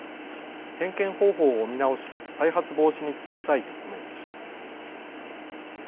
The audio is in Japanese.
点検方法を見直し、再発防止に努めたいとコメントしています。